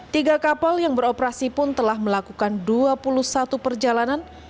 tiga kapal yang beroperasi pun telah melakukan dua puluh satu perjalanan